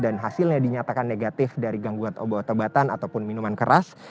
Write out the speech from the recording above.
dan hasilnya dinyatakan negatif dari gangguan obat obatan ataupun minuman keras